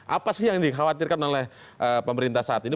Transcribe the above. apa sih yang dikhawatirkan oleh pemerintah saat ini